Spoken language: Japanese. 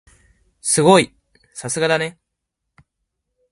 すごい！さすがだね。